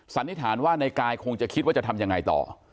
สันนิษฐานว่าในกายคงจะคิดว่าจะทำยังไงต่อ